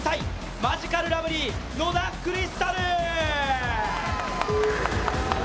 マヂカルラブリー、野田クリスタル。